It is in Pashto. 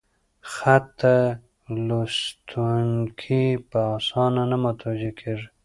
خط ته لوستونکي په اسانه نه متوجه کېږي: